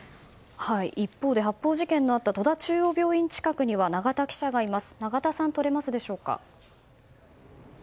一方で、発砲事件のあった戸田中央病院近くには永田記者がいます。